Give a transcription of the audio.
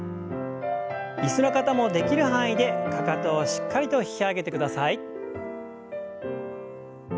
椅子の方もできる範囲でかかとをしっかりと引き上げてください。